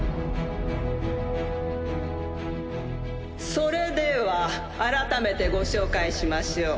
それでは改めてご紹介しましょう。